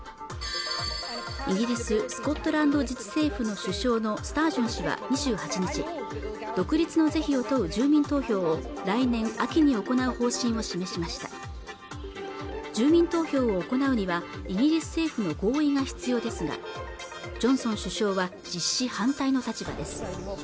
イギリス・スコットランド自治政府の首相のスタージョン氏は２８日独立の是非を問う住民投票を来年秋に行う方針を示しました住民投票を行うにはイギリス政府の合意が必要ですがジョンソン首相は実施反対の立場です